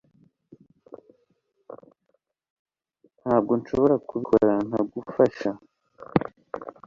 Ntabwo nshobora kubikora ntagufasha